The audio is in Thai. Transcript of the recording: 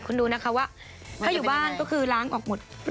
คุณดูนะคะว่าถ้าอยู่บ้านก็คือล้างออกหมด